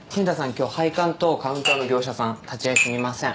今日配管とカウンターの業者さん立ち会いすみません